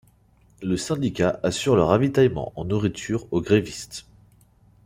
Le syndicat assure le ravitaillement en nourriture aux grévistes.